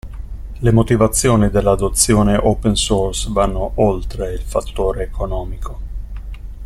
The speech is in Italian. Le motivazioni dell'adozione open source vanno oltre il fattore economico.